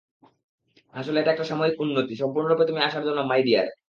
আসলে, এটা একটা সাময়িক উন্নতি, সম্পূর্ণরূপে তুমি আসার জন্য, মাই ডিয়ার।